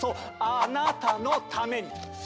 あ・な・たのために！